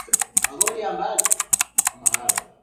Unataka tuseme nini